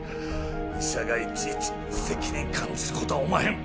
医者がいちいち責任感じる事はおまへん。